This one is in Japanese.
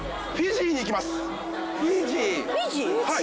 はい。